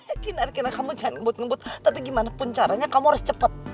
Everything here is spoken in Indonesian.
eh kinar kinar kamu jangan ngebut ngebut tapi gimana pun caranya kamu harus cepet